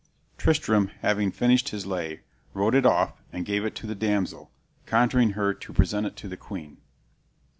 '" Tristram, having finished his lay, wrote it off and gave it to the damsel, conjuring her to present it to the queen.